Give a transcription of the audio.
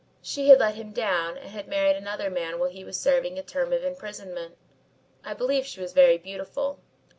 She had let him down and had married another man while he was serving a term of imprisonment. I believe she was very beautiful.